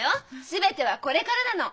全てはこれからなの！